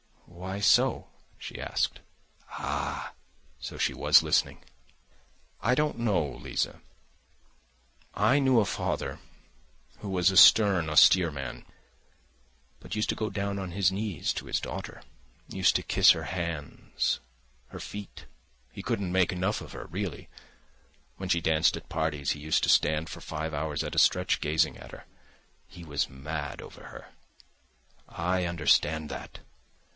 "Why so?" she asked. Ah! so she was listening! "I don't know, Liza. I knew a father who was a stern, austere man, but used to go down on his knees to his daughter, used to kiss her hands, her feet, he couldn't make enough of her, really. When she danced at parties he used to stand for five hours at a stretch, gazing at her. He was mad over her: I understand that!